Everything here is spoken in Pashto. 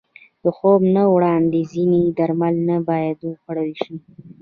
د خوب نه وړاندې ځینې درمل نه باید وخوړل شي.